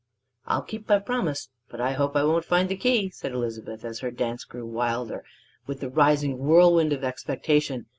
"I'll keep my promise, but I hope I won't find the key," said Elizabeth, as her dance grew wilder with the rising whirlwind of expectation.